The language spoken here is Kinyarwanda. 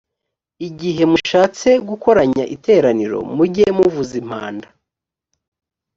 igihe mushatse gukoranya iteraniro mujye muvuza impanda